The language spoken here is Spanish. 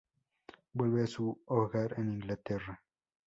Vuelve a su hogar en Inglaterra.